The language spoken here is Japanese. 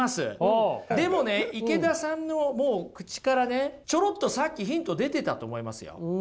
でもね池田さんのもう口からねちょろっとさっきヒント出てたと思いますよ。